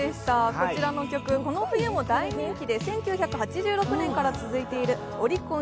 こちらの曲、大人気で１９８６年から続いているオリコン